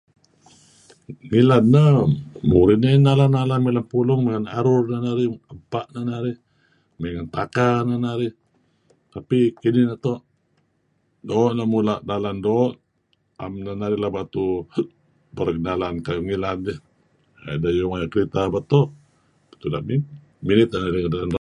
Ngilad neh, murih narih nalan-nalan mey lem Pulung, maya' arur neh narih, maya' ebpa' neh narih, emey lem taka neh narih. Tapi kinih neto' doo neh mula' dalan doo' . 'Em neh narih laba tu'uh pereg nalan kayu' ngilad iih. [Unclear - either you want to...] Maya' kereta neto' tetapi...